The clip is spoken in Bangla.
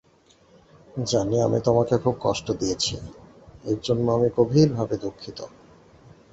জানি আমি তোমাকে খুব কষ্ট দিয়েছি, এর জন্য আমি গভীরভাবে দুঃখিত।